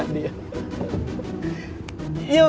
gue mau kasih tau aja